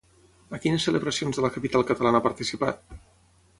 A quines celebracions de la capital catalana ha participat?